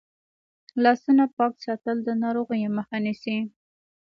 لاسونه پاک ساتل د ناروغیو مخه نیسي.